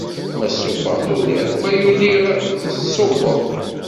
Ma subbeɣ tuliḍ, ma yuliɣ tṣubbeḍ.